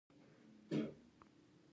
انسان وتوانید چې ساده کاري وسایل جوړ کړي.